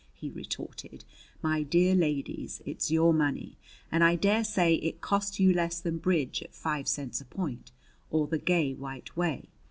he retorted. "My dear ladies, it's your money; and I dare say it costs you less than bridge at five cents a point, or the Gay White Way.